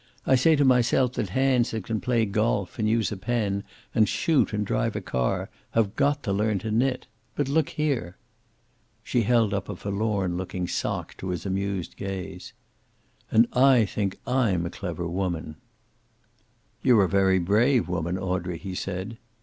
I say to myself that hands that can play golf, and use a pen, and shoot, and drive a car, have got to learn to knit. But look here!" She held up a forlorn looking sock to his amused gaze. "And I think I'm a clever woman." "You're a very brave woman, Audrey," he said.